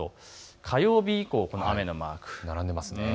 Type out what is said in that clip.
火曜日以降、この雨が並んでいますね。